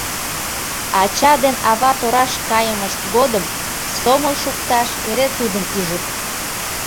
Ача ден ава тораш кайымышт годым сомыл шукташ эре тудым ӱжыт.